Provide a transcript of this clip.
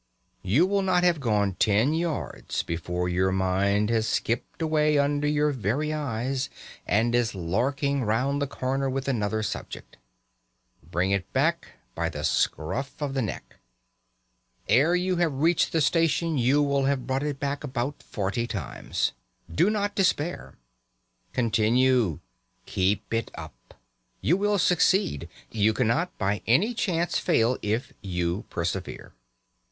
You will not have gone ten yards before your mind has skipped away under your very eyes and is larking round the corner with another subject. Bring it back by the scruff of the neck. Ere you have reached the station you will have brought it back about forty times. Do not despair. Continue. Keep it up. You will succeed. You cannot by any chance fail if you persevere.